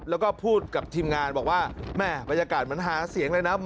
แล้วก็พูดกับทีมงานบอกว่าแม่บรรยากาศเหมือนหาเสียงเลยนะ